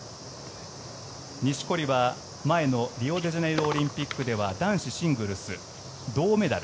錦織は前のリオデジャネイロオリンピックでは男子シングルス銅メダル。